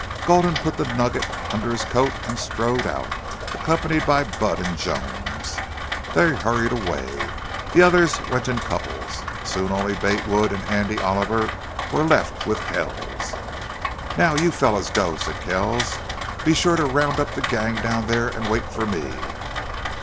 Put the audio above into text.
Gulden put the nugget under his coat and strode out, accompanied by Budd and Jones. They hurried away. The others went in couples. Soon only Bate Wood and Handy Oliver were left with Kells. "Now you fellows go," said Kells. "Be sure to round up the gang down there and wait for me."